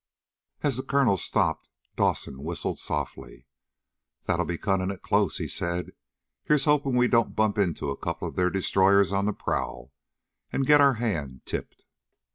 As the colonel stopped Dawson whistled softly. "That'll be cutting it close!" he said. "Here's hoping we don't bump into a couple of their destroyers on the prowl, and get our hand tipped."